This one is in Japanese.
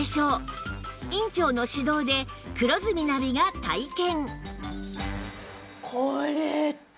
院長の指導で黒住ナビが体験